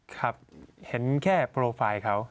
ครับเห็นแค่โปรไฟล์เขา